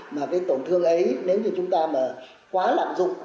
mà tổn thương ấy nếu chúng ta quá lạm dụng